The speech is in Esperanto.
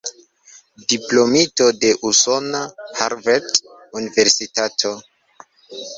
Diplomito de usona Harvard-universitato.